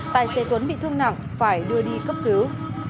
tài xế tuấn bị thương nặng phải đưa đi cấp cứu